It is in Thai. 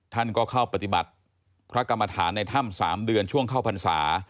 ท่านก็เข้าปฏิบัติพระกรรมฐานในถ้ำ๓เดือนช่วงเข้าพรรษา